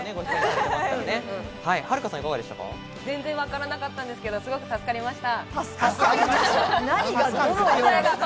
全然わからなかったんですけど、すごく助かりました。